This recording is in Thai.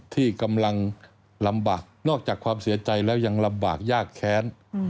ที่กำลังลำบากนอกจากความเสียใจแล้วยังลำบากยากแค้น